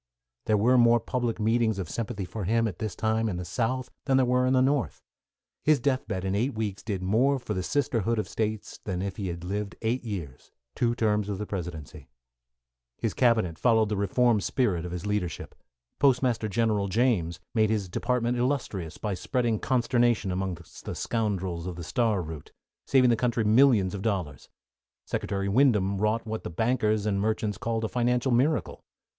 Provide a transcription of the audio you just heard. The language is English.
There were more public meetings of sympathy for him, at this time, in the South than there were in the North. His death bed in eight weeks did more for the sisterhood of States than if he had lived eight years two terms of the Presidency. His cabinet followed the reform spirit of his leadership. Postmaster General James made his department illustrious by spreading consternation among the scoundrels of the Star Route, saving the country millions of dollars. Secretary Windom wrought what the bankers and merchants called a financial miracle.